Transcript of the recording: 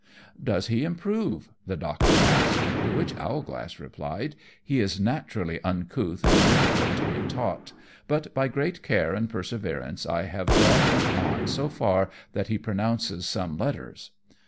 "Does he improve?" the Doctor asked; to which Owlglass replied, "He is naturally uncouth and difficult to be taught, but by great care and perseverance I have brought him on so far that he pronounces some letters."